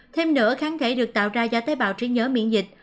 thêm nữa kháng thể được tạo ra do tế bào trí nhớ miễn dịch